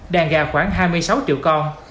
đàn gà khoảng hai mươi sáu triệu con